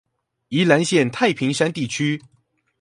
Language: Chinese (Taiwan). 宜蘭縣太平山地區